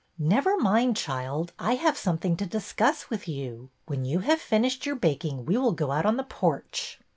'' Never mind, child, I have something to dis cuss with you. When you have finished your baking we will go out on the porch."